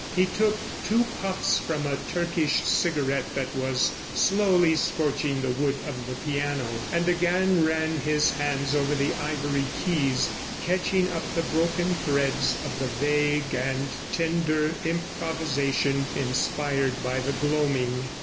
He took two puffs from a Turkish cigarette that was slowly scorching the wood of the piano, and again ran his hands over the ivory keys, catching up the broken threads of the vague and tender improvisation inspired by the gloaming.